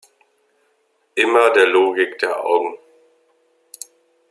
Immer der Logik der Augen.